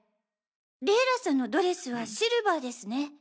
レイラさんのドレスはシルバーですね。